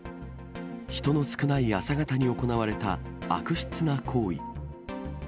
人の少ない朝方に行われた悪質な行為。